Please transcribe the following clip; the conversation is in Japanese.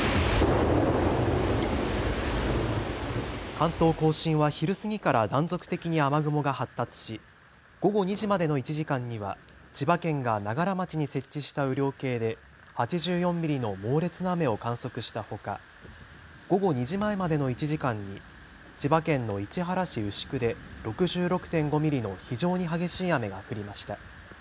関東甲信は昼過ぎから断続的に雨雲が発達し午後２時までの１時間には千葉県が長柄町に設置した雨量計で８４ミリの猛烈な雨を観測したほか、午後２時前までの１時間に千葉県の市原市牛久で６６．５ミリの非常に激しい雨が降りました。